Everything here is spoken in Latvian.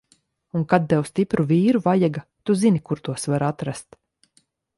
Un kad tev stipru vīru vajaga, tu zini, kur tos var atrast!